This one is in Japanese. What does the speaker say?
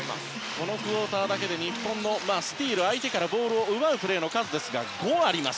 このクオーターだけで日本のスチール相手からボールを奪う数ですが、５あります。